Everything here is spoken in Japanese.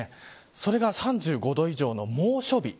それが３５度以上の猛暑日。